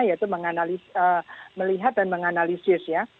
yaitu melihat dan menganalisis ya